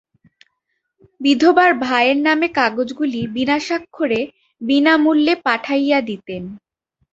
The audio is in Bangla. বিধবার ভাইয়ের নামে কাগজগুলি বিনা স্বাক্ষরে বিনা মূল্যে পাঠাইয়া দিতেন।